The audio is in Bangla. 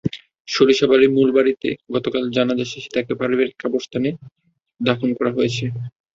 সরিষাবাড়ীর মূলবাড়িতে গতকাল জানাজা শেষে তাঁকে পারিবারিক কবরস্থানে দাফন করা হয়েছে।